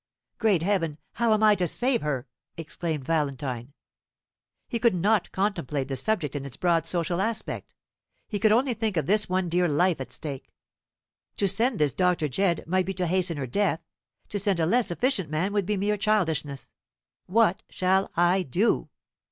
"Great Heaven, how am I to save her?" exclaimed Valentine. He could not contemplate the subject in its broad social aspect; he could only think of this one dear life at stake. "To send this Dr. Jedd might be to hasten her death; to send a less efficient man would be mere childishness. WHAT shall I do?"